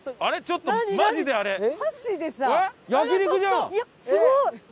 あれちょっとマジであれ。